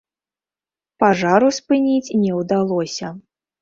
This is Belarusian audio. Пажару спыніць не ўдалося.